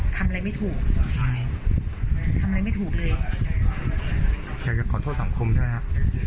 ทำอะไรไม่ถูกใช่ทำอะไรไม่ถูกเลยอยากจะขอโทษสังคมใช่ไหมฮะ